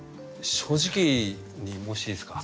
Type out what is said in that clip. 正直に申していいですか？